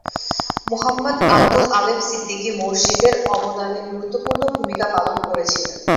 মুহাম্মদ আবদুল আলেম সিদ্দিকী মসজিদের অবদানে গুরুত্বপূর্ণ ভূমিকা পালন করেছিলেন।